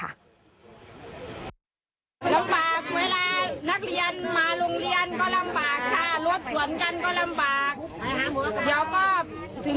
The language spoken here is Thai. ลำบากเวลานักเรียนมาโรงเรียนก็ลำบากค่ะรวบส่วนกันก็ลำบาก